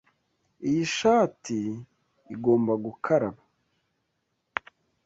Iyi shati igomba gukaraba.